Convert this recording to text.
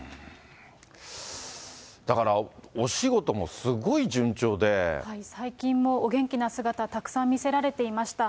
だから、最近もお元気な姿、たくさん見せられていました。